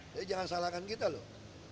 jadi jangan salahkan kita loh